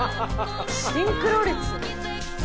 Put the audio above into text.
シンクロ率。